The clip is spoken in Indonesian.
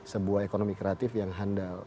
sebuah ekonomi kreatif yang handal